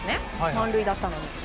満塁だったのに。